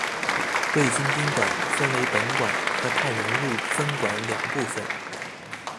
瑞金宾馆分为本馆和太原路分馆两部份。